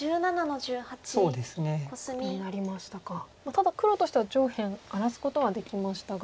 ただ黒としては上辺荒らすことはできましたが。